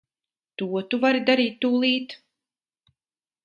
To tu vari darīt tūlīt.